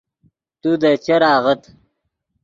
تو دے چر آغت